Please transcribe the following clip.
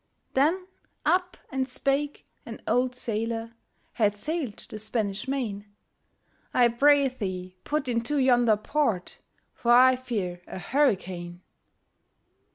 Then up and spake an old sailòr, Had sail'd the Spanish Main, 'I pray thee, put into yonder port, For I fear a hurricane.